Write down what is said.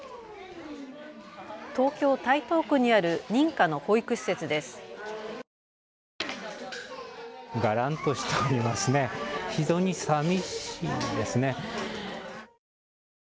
東京台東区にある認可の保育施設です。